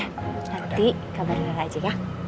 nanti kabar dengan rara aja ya